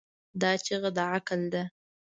دا چیغه د عقل ده.